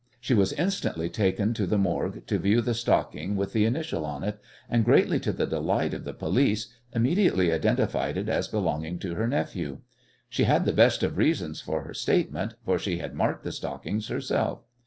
She was instantly taken to the Morgue to view the stocking with the initial on it, and, greatly to the delight of the police, immediately identified it as belonging to her nephew. She had the best of reasons for her statement, for she had marked the stockings herself.